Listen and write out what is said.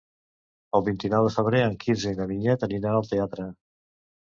El vint-i-nou de febrer en Quirze i na Vinyet aniran al teatre.